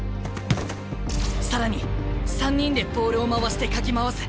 更に３人でボールを回してかき回す。